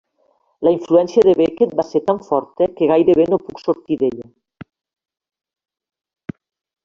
La influència de Beckett va ser tan forta que gairebé no puc sortir d'ella.